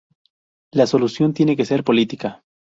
La solución tiene que ser política".